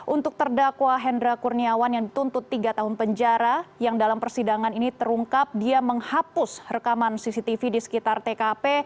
untuk terdakwa hendra kurniawan yang dituntut tiga tahun penjara yang dalam persidangan ini terungkap dia menghapus rekaman cctv di sekitar tkp